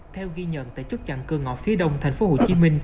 theo ghi nhận tại chốt chặn cơ ngõ phía đông tp hcm